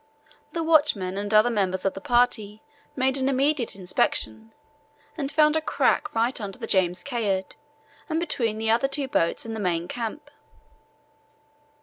The watchman and other members of the party made an immediate inspection and found a crack right under the James Caird and between the other two boats and the main camp.